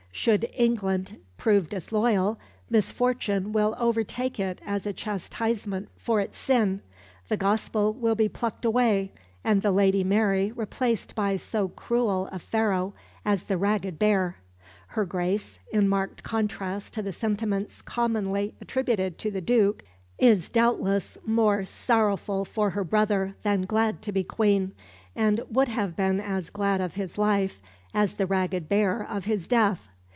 Should England prove disloyal, misfortune will overtake it as a chastisement for its sin; the Gospel will be plucked away and the Lady Mary replaced by so cruel a Pharaoh as the ragged bear. Her Grace in marked contrast to the sentiments commonly attributed to the Duke is doubtless more sorrowful for her brother than glad to be Queen, and would have been as glad of his life as the ragged bear of his death.